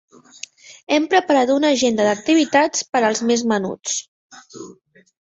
Hem preparat una agenda d'activitats per als més menuts.